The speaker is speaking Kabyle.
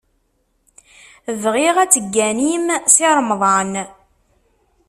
Bɣiɣ ad tegganim Si Remḍan.